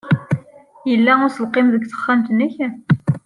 Yella uselkim deg texxamt-nnek?